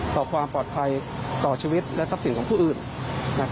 ต่อความปลอดภัยต่อชีวิตและทรัพย์สินของผู้อื่น